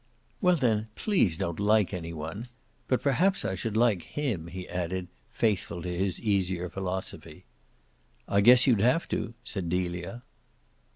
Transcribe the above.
"Well then please don't like any one. But perhaps I should like him," he added, faithful to his easier philosophy. "I guess you'd have to," said Delia.